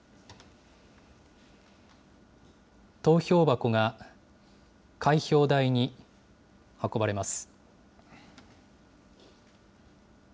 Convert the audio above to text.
投票箱が開票台に運ばれます。